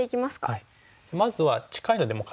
はい。